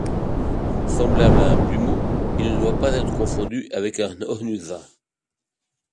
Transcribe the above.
Semblable à un plumeau, il ne doit pas être confondu avec un Ōnusa.